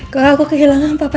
kalau aku kehilangan papa